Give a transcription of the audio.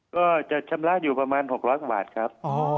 ก็จะชำระอยู่ประมาณ๖๐๐กว่าบาทครับ